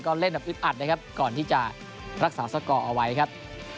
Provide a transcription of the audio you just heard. ก็เล่นแบบอึดอัดนะครับก่อนที่จะรักษาสกอร์เอาไว้ครับ